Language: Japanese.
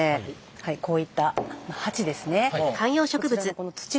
はいこういった鉢ですね